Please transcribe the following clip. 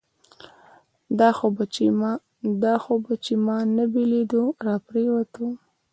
دا خو بهٔ چې مانه بېلېده راپرېوته